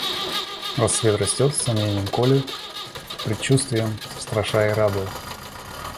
Рассвет растет, сомненьем колет, предчувствием страша и радуя.